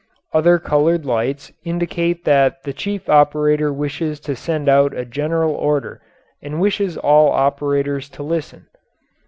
Other coloured lights indicate that the chief operator wishes to send out a general order and wishes all operators to listen.